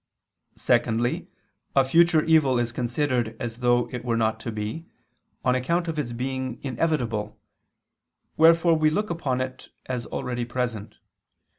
Secondly, a future evil is considered as though it were not to be, on account of its being inevitable, wherefore we look upon it as already present.